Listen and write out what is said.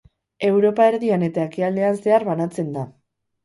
Europa erdian eta ekialdean zehar banatzen da.